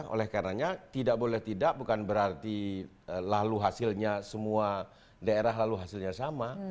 oleh karenanya tidak boleh tidak bukan berarti lalu hasilnya semua daerah lalu hasilnya sama